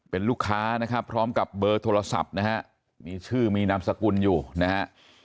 เป็นลูกค้านะครับพร้อมกับเบอร์โทรศัพท์นะฮะมีชื่อมีนามสกุลอยู่นะฮะ